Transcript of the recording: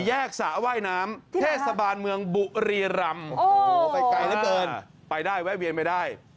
๔แยกสหว่ายน้ำเทศบานเมืองบุรีรำไปได้ไว้เวียนไม่ได้